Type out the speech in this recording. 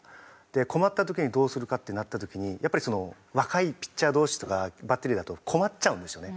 困った時にどうするかってなった時にやっぱり若いピッチャー同士とかバッテリーだと困っちゃうんですよね。